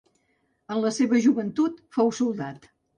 En la seva joventut, fou soldat.